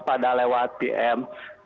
pada lewat pm